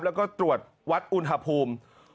และก็ตรวจวัฒน์อุณหภูมิ